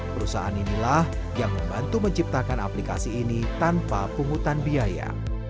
perusahaan inilah yang membantu menciptakan aplikasi ini tanpa pungutan biaya